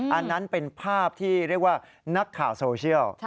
อันนั้นเป็นภาพที่เรียกว่านักข่าวโซเชียล